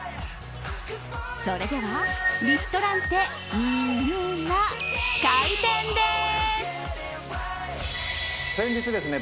それではリストランテＭＩＵＲＡ開店です。